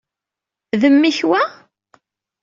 D mmi-k, wa?